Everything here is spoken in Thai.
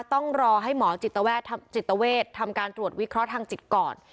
ต้องรอให้หมอจิตเวททำการตรวจวิเคราะห์ทางจิตก่อน